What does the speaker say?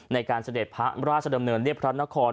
เสด็จพระราชดำเนินเรียบพระนคร